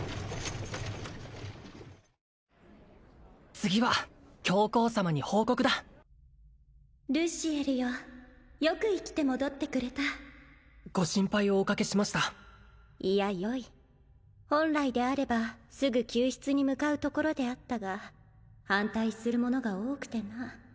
次は教皇様に報告だルシエルよよく生きて戻ってくれたご心配をおかけしましたいやよい本来であればすぐ救出に向かうところであったが反対する者が多くてな